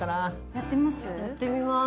やってみます。